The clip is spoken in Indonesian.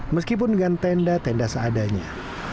meskipun dengan tenda tenda seadanya